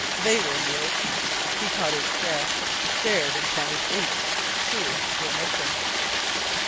They were in the open. He caught his breath, stared and counted eight! Two were missing.